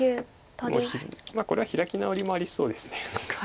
これは開き直りもありそうです何か。